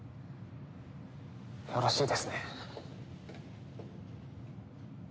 よろしいですね？